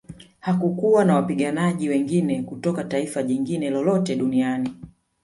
Hakukuwa na wapiganaji wengine kutoka taifa jingine lolote duniani